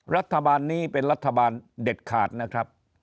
รัฐบาลนี้เป็นรัฐบาลเด็ดขาดนะครับ